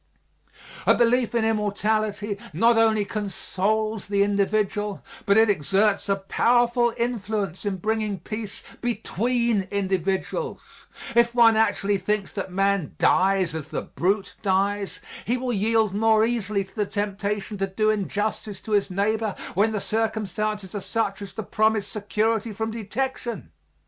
A belief in immortality not only consoles the individual, but it exerts a powerful influence in bringing peace between individuals. If one actually thinks that man dies as the brute dies, he will yield more easily to the temptation to do injustice to his neighbor when the circumstances are such as to promise security from detection.